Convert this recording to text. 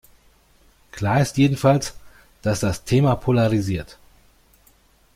Klar ist jedenfalls, dass das Thema polarisiert.